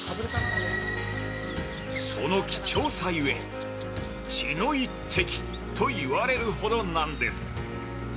その貴重さゆえ、「血の一滴」と言われるほどなんです。